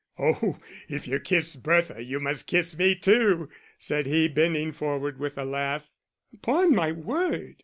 "Oh, if you kiss Bertha, you must kiss me too," said he, bending forward with a laugh. "Upon my word!"